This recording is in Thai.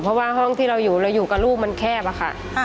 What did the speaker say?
เพราะว่าห้องที่เราอยู่เราอยู่กับลูกมันแคบอะค่ะ